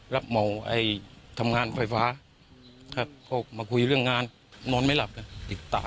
รับเหมาทำงานไฟฟ้าครับก็มาคุยเรื่องงานนอนไม่หลับกันติดตา